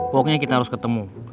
pokoknya kita harus ketemu